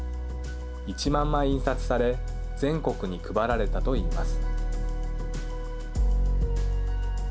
１万枚印刷され全国に配られたといいます。